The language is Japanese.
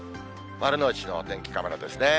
丸の内のお天気カメラですね。